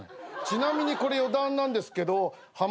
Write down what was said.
ちなみにこれ余談なんですけど濱家